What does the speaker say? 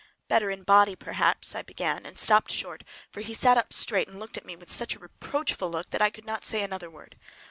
"Better in body perhaps"—I began, and stopped short, for he sat up straight and looked at me with such a stern, reproachful look that I could not say another word.